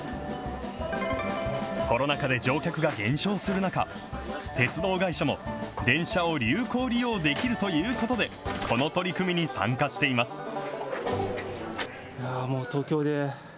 コロナ禍で乗客が減少する中、鉄道会社も電車を有効利用できるということで、この取り組みに参加しています。